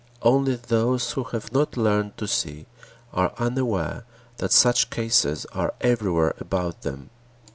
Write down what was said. Only those who have not learned to see are unaware that such cases are everywhere about them.